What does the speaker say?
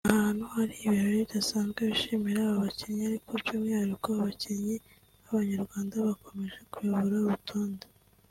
ahantu hari ibirori bidasanzwe bishimira aba bakinnyi ariko by’umwihariko abakinnyi b’abanyarwanda bakomeje kuyobora urutonde